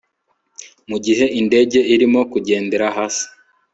mu gihe indege irimo kugendera hasi